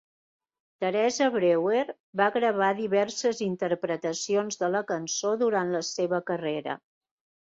Teresa Brewer va gravar diverses interpretacions de la cançó durant la seva carrera.